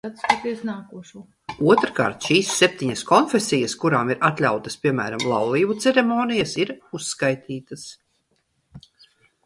Otrkārt, šīs septiņas konfesijas, kurām ir atļautas, piemēram, laulību ceremonijas, ir uzskaitītas.